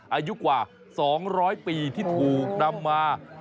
อายุกว่า๒๐๐ปีที่ถูกนำมา